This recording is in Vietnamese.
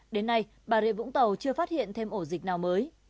đến nay bà rịa vũng tàu chưa phát hiện thêm ổ dịch nào mới